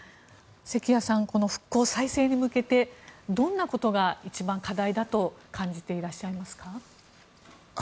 関谷さん、復興再生に向けてどんなことが一番課題だと感じていらっしゃいますか？